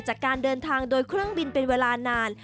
จากการเดินทางโดยเครื่องบินเป็นเวลานาน